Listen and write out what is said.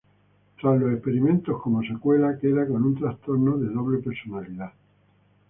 Tras los experimentos, como secuela queda con un trastorno de doble personalidad.